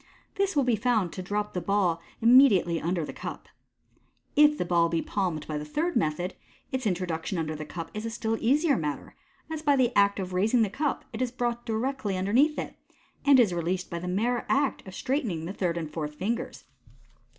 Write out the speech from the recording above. This will be found to rop the ball imm • diately under the cup. If the ball be palmed by the third method, its introduction under the cup is a still easier matter, as by the act of raising the cup it is brought directly underneath it, and is released by the mere act of straightening the third and fourth ringers.